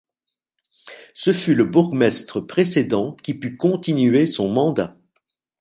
Ce fut le bourgmestre précédent qui put continuer son mandat.